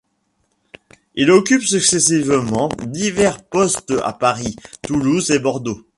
Il occupe successivement divers postes à Paris, Toulouse et Bordeaux.